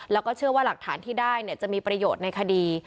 แล้วก็เชื่อว่าหลักฐานที่ได้จะมีประโยชน์ในคดี